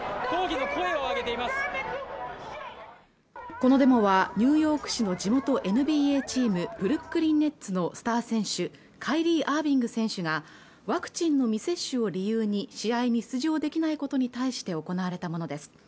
このデモはニューヨーク市の地元ＮＢＡチームブルックリン・ネッツのスター選手カイリー・アービング選手がワクチンの未接種を理由に試合に出場できないことに対して行われたものです